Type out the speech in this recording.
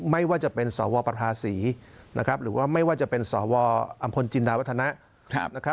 ไม่ว่าจะเป็นสวประภาษีนะครับหรือว่าไม่ว่าจะเป็นสวอำพลจินดาวัฒนะ